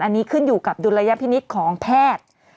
อันนี้ขึ้นอยู่กับดุลยพินิษฐ์ของแพทย์